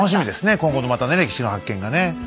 今後のまたね歴史の発見がね。